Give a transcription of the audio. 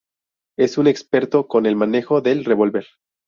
Es un experto con el manejo del revólver.